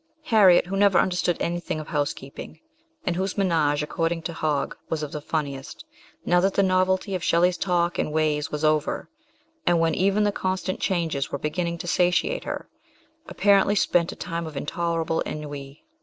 Harriet, who had never understood anything of housekeeping, and whose menage, according to Hogg, was of the funniest, now that the novelty of Shelley's talk and ways was over, and when even the constant changes were beginning to satiate her, apparently spent a time of intolerable ennui.